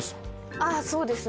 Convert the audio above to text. ああそうですね。